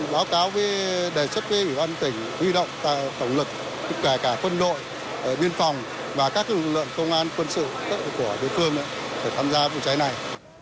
báo cáo với đề xuất với ủy ban tỉnh huy động tổng lực tất cả cả quân đội biên phòng và các lực lượng công an quân sự của đối phương để tham gia vụ cháy này